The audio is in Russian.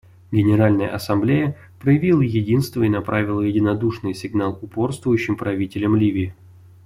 Генеральная Ассамблея проявила единство и направила единодушный сигнал упорствующим правителям Ливии.